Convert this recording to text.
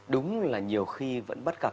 đúng là nhiều khi vẫn bắt gặp